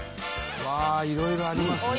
いろいろありますね。